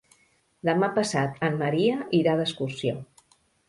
Demà passat en Maria irà d'excursió.